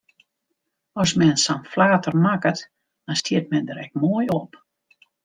As men sa'n flater makket, dan stiet men der ek moai op!